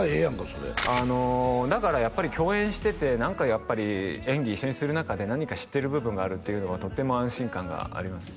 それだからやっぱり共演してて何かやっぱり演技一緒にする中で何か知ってる部分があるっていうのはとても安心感があります